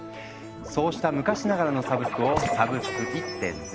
そうした昔ながらのサブスクを「サブスク１．０」。